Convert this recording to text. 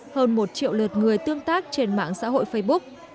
hơn một triệu lượt người tương tác trên mạng xã hội facebook